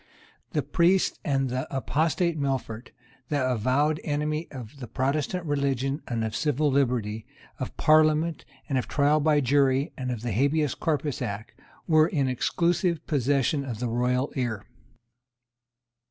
The priests and the apostate Melfort, the avowed enemy of the Protestant religion and of civil liberty, of Parliaments, of trial by jury and of the Habeas Corpus Act, were in exclusive possession of the royal ear.